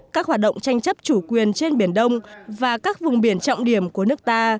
các hoạt động tranh chấp chủ quyền trên biển đông và các vùng biển trọng điểm của nước ta